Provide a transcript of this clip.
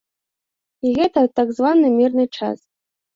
І гэта ў так званы мірны час.